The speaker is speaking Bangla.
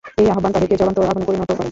এই আহ্বান তাদেরকে জ্বলন্ত আগুনে পরিণত করে।